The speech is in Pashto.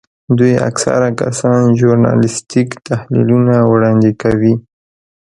دوی اکثره کسان ژورنالیستیک تحلیلونه وړاندې کوي.